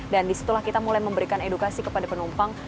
dan di situlah kita mulai memberikan edukasi kepada penumpang